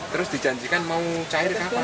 terus dijanjikan mau cair kapan